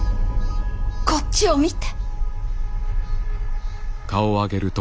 こっちを見て。